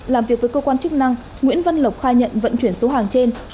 làm việc với cơ quan chức năng nguyễn văn lộc khai nhận vận chuyển số hàng trên